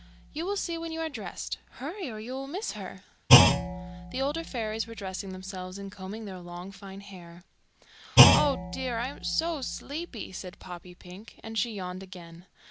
"You will see when you are dressed. Hurry, or you will miss her." [Illustration: "The older fairies were dressing themselves and combing their long fine hair."] "Oh dear! I am so sleepy," said Poppypink, and she yawned again.